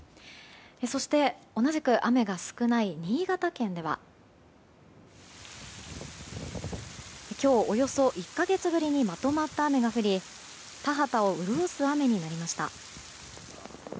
そして同じく雨が少ない新潟県では今日、およそ１か月ぶりにまとまった雨が降り田畑を潤す雨になりました。